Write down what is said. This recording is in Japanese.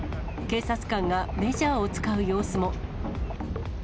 警察官がメジャーを使う様子も。